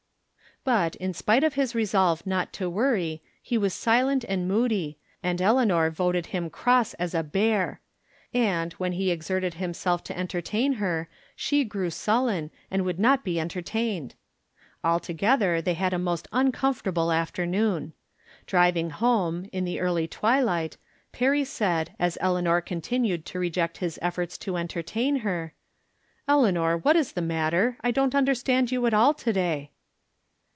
But, in spite of his resolve not to worry, he was silent and moody, and Eleanor voted him cross as a bear ! and, when he exerted himself to en From Different Standpoints. 187 tertain her, she grew sullen, and would not be entertained. Altogether they had a most .un comfortable afternoon. Driving home, in the. early twilight, Perry said, as Eleanor continued to reject his efforts to entertain her :" Eleanor, what is tha matter ? I don't under stand you at all, to day."